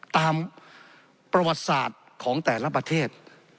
ตามประวัติศาสตร์ของแต่ละประเทศ